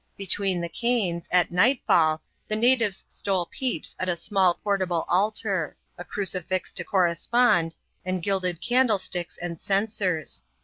Between the canes, at nightfall, the natives stole peeps at a small portable altar ; a crucifix to correspond, and gilded candlesticks and censers.